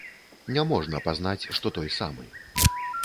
Няможна пазнаць, што той самы.